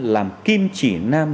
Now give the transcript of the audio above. làm kim chỉ nam